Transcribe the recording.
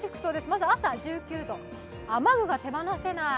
まず朝、１９度、雨具が手放せない。